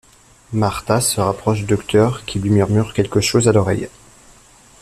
Martha se rapproche du Docteur, qui lui murmure quelque chose à l’oreille.